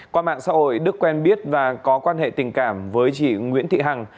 qua mạng xã hội đức quen biết và có quan hệ tình cảm với chị nguyễn thị hằng